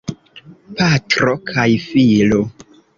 Patro kaj filo.